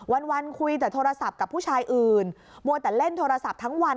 วันคุยแต่โทรศัพท์กับผู้ชายอื่นมัวแต่เล่นโทรศัพท์ทั้งวัน